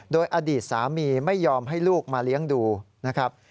โดยอดีตสามีไม่ยอมให้ลูกมาเลี้ยงดูนะครับ